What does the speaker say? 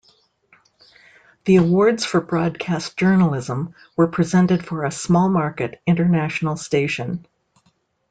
The awards for broadcast journalism were presented for a small-market, international station.